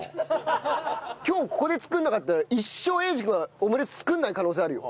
今日ここで作らなかったら一生英二君はオムレツ作らない可能性あるよ。